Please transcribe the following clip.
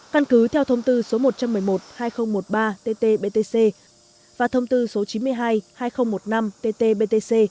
căn cứ theo thông tư số một trăm một mươi một hai nghìn một mươi ba tt btc và thông tư số chín mươi hai hai nghìn một mươi năm tt btc